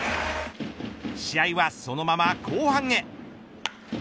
試合はそのまま後半へ。